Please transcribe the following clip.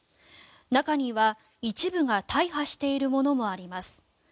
中には一部が大破しているものもあります。